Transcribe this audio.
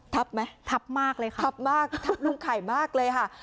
ทับไหมทับมากเลยค่ะทับลุงไข่มากเลยค่ะ